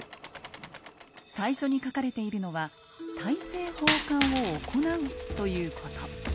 最初に書かれているのは大政奉還を行うということ。